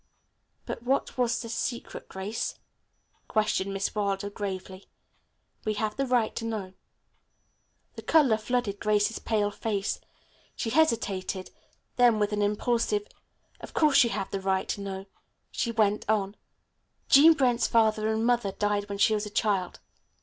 "But what was this secret, Grace?" questioned Miss Wilder gravely. "We have the right to know." The color flooded Grace's pale face. She hesitated, then with an impulsive, "Of course you have the right to know," she went on, "Jean Brent's father and mother died when she was a child.